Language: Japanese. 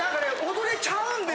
踊れちゃうんだ。